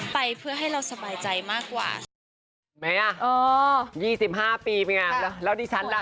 ไปเพื่อให้เราสบายใจมากกว่าค่ะ